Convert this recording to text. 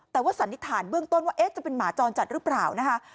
แต่ว่าสันนิษฐานเบื้องต้นว่าจะเป็นหมาจรจัดหรือเปล่านะคะ